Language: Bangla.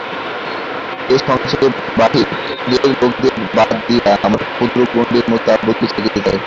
এ সংসারে বাহিরের লোকদের বাদ দিয়া আমরা ক্ষুদ্র গণ্ডির মধ্যে আবদ্ধ থাকিতে চাই।